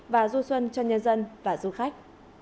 và du xuân cho nhân dân và du khách